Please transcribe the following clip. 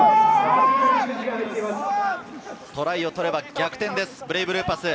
トライを取れば逆転です、ブレイブルーパス。